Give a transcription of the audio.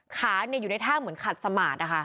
ขาอยู่ในท่าเหมือนขัดสมาร์ทนะคะ